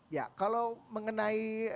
ya kalau mengenai